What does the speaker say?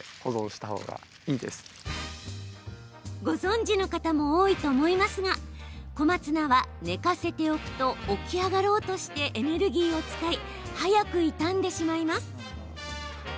ご存じの方も多いと思いますが小松菜は寝かせておくと起き上がろうとしてエネルギーを使い早く傷んでしまいます。